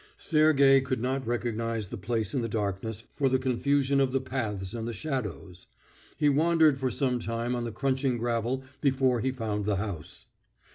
Sergey could not recognise the place in the darkness for the confusion of the paths and the shadows. He wandered for some time on the crunching gravel before he found the house.